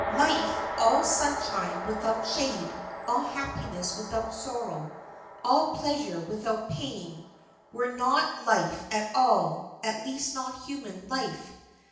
Life all sunshine without shade, all happiness without sorrow, all pleasure without pain, were not life at all—at least not human life.